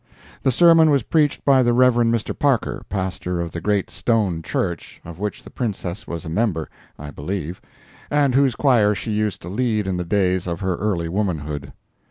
The sermon was preached by the Rev. Mr. Parker, pastor of the great stone church—of which the Princess was a member, I believe, and whose choir she used to lead in the days of her early womanhood.